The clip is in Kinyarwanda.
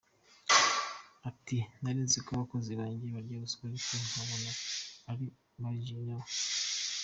Ati nari nzi ko abakozi banjye barya ruswa ariko nkabona ari marginal.